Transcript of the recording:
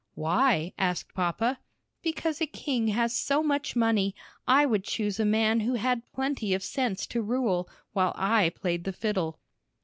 "Why?" asked papa. "Because a king has so much money, I would choose a man who had plenty of sense to rule, while I played the fiddle."